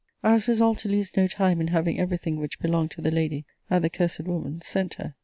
I was resolved to lose no time in having every thing which belonged to the lady at the cursed woman's sent her.